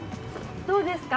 どうですか？